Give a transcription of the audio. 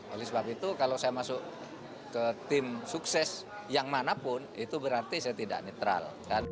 oleh sebab itu kalau saya masuk ke tim sukses yang manapun itu berarti saya tidak netral